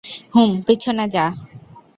হুম, পিছনে যা।